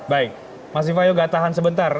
baik mas ifahyo gak tahan sebentar